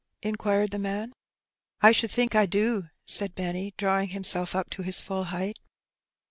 inquired the man. "I should think I do," said Benny, drawing himself up to his full height.